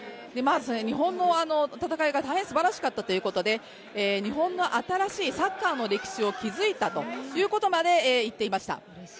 日本の戦いが大変すばらしかったということで日本なたらしいサッカーの歴史を築いたということもまで言っていました。